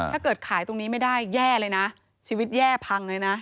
ถ้าเกิดขายตรงนี้ไม่ได้แย่เลยนะชีวิตแย่พังเลยนะ